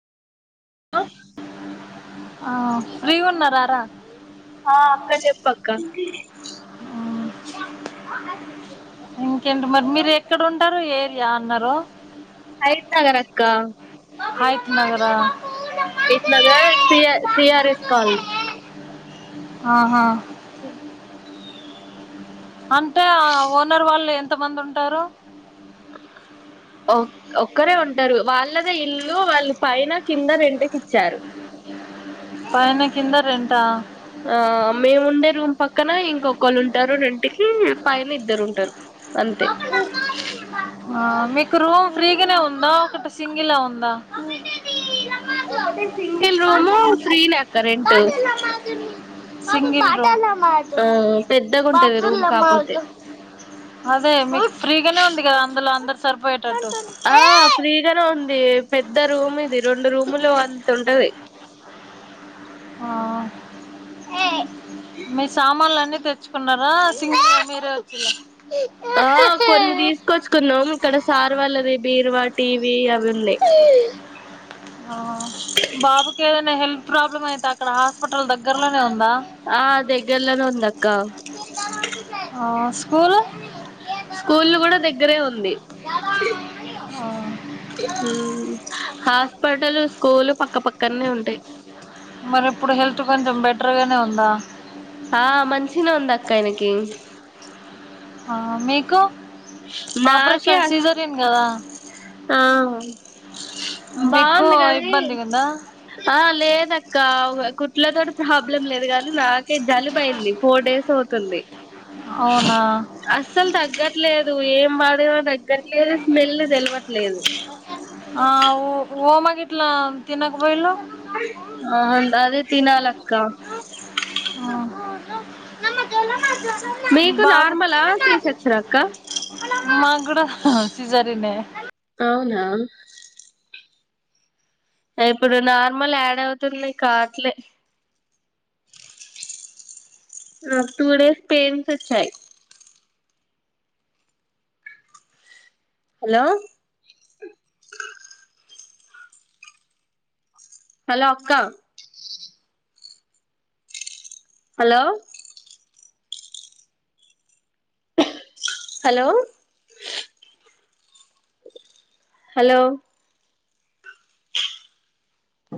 hello ఆ free ఉన్నారారా పక్క ఆ ఇంకేంటి మరి మీరు ఎక్కడ ఉంటారు ఏరియా అన్నారు కరీంనగర్ నగర అక్క హైక్ నగరం హయి నగర్ సి సిీఆర్ఎస్ కాాల్ ఆహా అంటే ఆ ఓనర్ వాళ్ళు ఎంత మంది ఉంటారు ఒక్కరే ఉంటారు వాళ్ళగా ఇల్లు వాళ్ళ పైన కింద రెంట్ ఇచ్చారు పైనన కింద రెంటా ఆ మేము ఉండే రూమ్ పక్కన ఇంకొకళ్ళు ఉంటారు రెంటికి పైన ఇద్దరు ఉంటారు అంతే ఆ మీకు రూమ్ ఫ్రీగానే ఉందా ఒకటి సింగిలా ఉందా సింగిల్ రూము ఫ్రీనే అక్క రెంట్ పాటమ్దు పాటమ్మాదు ఆ పెద్దగా ఉంటది రూమ్ పాటాల మాగ పాటలా కాపోతే మగ అదే మీకు ఫ్రీగానే ఉంది కదా అందులో అందరు సరిపో ఆ ఫ్రీగానే ఉంది పెద్ద రూమ్ ఇది రెండు రూములు అంత ఉంటది ఆ మీ సామాన్లు అన్నిీ తెచ్చుకున్నారా సి ఆ కొన్ని తీసుకొచ్చుకున్నాం ఇక్కడ సార్ వాళ్లది బీరువాటి వి అవింద ఆ బాబుకి ఏదైనా హెల్త్ ప్రాబ్లమ్ అయితే అక్కడ హాస్పిటల్ దగ్గరలో ఆ దగ్గరలోనే ఉంది అక్క హా స్కూల్ స్కూల్లు కూడా దగ్గరే ఉంది ఆ హాస్పిటల్ స్కూలు పక్క పక్కనే ఉంటాయి మరి ఇప్పుడు హెల్త్ కొంచెం బెటర్గానే ఉందా ఆ మంచి గానే అక్క ఎనకి ఆ మీకు నాకే ఆపరేషన్ అస్ సీజరిన్ కదా ఆ మీకు బాగుంది కదిీ ఇబ్బందిగా ఉందా ఆ లేద అక్క కుట్లతో ప్రాబ్లం లేదు కానీ నాకే జలుబ అయింది ఫోర్ డేస్ అవుతుంది అవునా అసలు తగ్గట్లే ఏం వాడిని తగ్గట్లేదు స్మెల్ తెలవట్లేదు ఆఊ ఓమాగిట్లా తినకపోయ లో ఆ అదే తినాలక్క మీకు బాబు నార్మలా సి సెక్షన్ అక్క మాకు కూడా సిజేరియన్ అవునా ఇప్పుడు నార్మల్ యాడ అవుతుది రావట్లే ఆ టూ డేస్ పెయింట్స్ వచ్చాయి హలో హలో అక్కా హలో హలో హలో